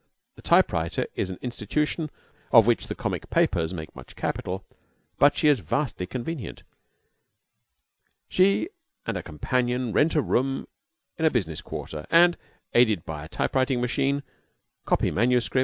The typewriter is an institution of which the comic papers make much capital, but she is vastly convenient. She and a companion rent a room in a business quarter, and, aided by a typewriting machine, copy MSS.